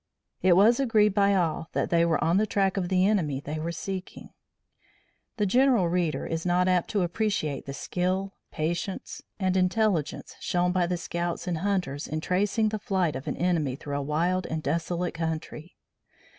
It was agreed by all that they were on the track of the enemy they were seeking. The general reader is not apt to appreciate the skill, patience and intelligence shown by the scouts and hunters in tracing the flight of an enemy through a wild and desolate country.